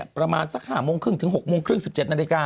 ประมาณสัก๕โมงครึ่งถึง๖โมงครึ่ง๑๗นาฬิกา